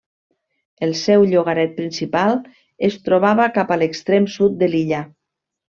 El seu llogaret principal es trobava cap a l'extrem sud de l'illa.